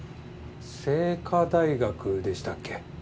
聖花大学でしたっけ。